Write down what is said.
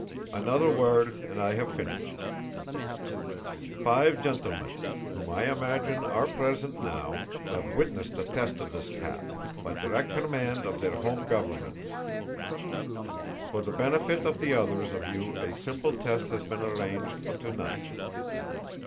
"Another word, and I have finished. Five gentlemen, whom I imagine are present now, have witnessed a test of this cap, by direct command of their home governments. For the benefit of the others of you a simple test has been arranged for to night.